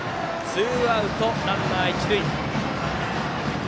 ツーアウトでランナー、一塁。